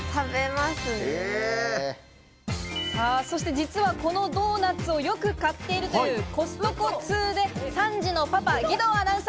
実はこのドーナツをよく買っているというコストコ通で３児のパパ、義堂アナ。